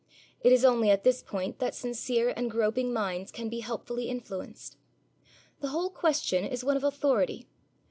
It is only at this point that sincere and groping minds can be helpfully influenced. The whole question is one of Authority.